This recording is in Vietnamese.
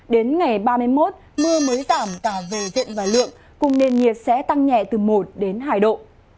đến ngày ba mươi một mưa mới giảm cả về diện và lượng cùng nền nhiệt sẽ tăng nhẹ từ một đến hai độ